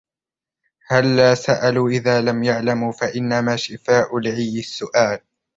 هَلَّا سَأَلُوا إذَا لَمْ يَعْلَمُوا فَإِنَّمَا شِفَاءُ الْعِيِّ السُّؤَالُ